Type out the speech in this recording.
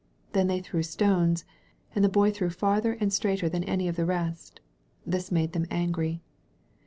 Then they threw stones; and the Boy threw farther and straighter than any of the rest. This made them angiy.